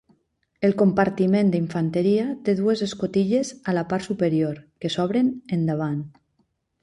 El compartiment d'infanteria té dues escotilles a la part superior, que s'obren endavant.